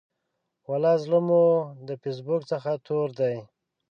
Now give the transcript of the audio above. ولا زړه مو د فیسبوک څخه تور دی.